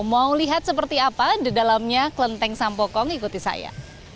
mau lihat seperti apa di dalamnya kelenteng sampokong ikuti saya